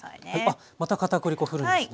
あっまた片栗粉ふるんですね。